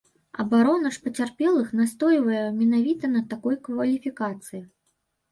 Абарона ж пацярпелых настойвае менавіта на такой кваліфікацыі.